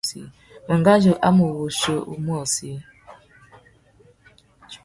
Mangazu a mú wutiō umôchï.